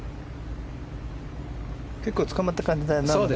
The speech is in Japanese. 結構つかまった感じだよな。